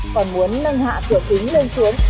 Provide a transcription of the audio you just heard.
còn muốn nâng hạ cửa kính lên xuống